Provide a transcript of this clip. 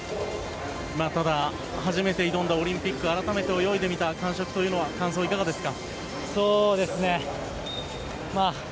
ただ、初めて挑んだオリンピック改めて泳いでみた感触感想はいかがですか？